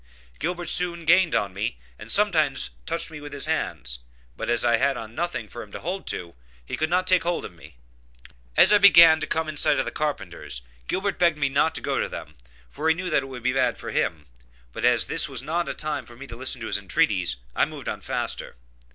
Gilbert soon gained upon me, and sometimes touched me with his hands, but as I had on nothing for him to hold to, he could not take hold of me. As I began to come in sight of the carpenters, Gilbert begged me not to go to them, for he knew that it would be bad for him, but as that was not a time for me to listen to his entreaties, I moved on faster.